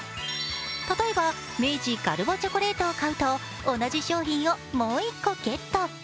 例えば明治ガルボチョコレートを買うと同じ商品をもう一個ゲット。